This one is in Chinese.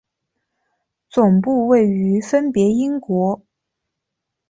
总部位于分别英国。